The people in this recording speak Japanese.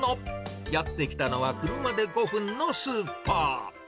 やって来たのは、車で５分のスーパー。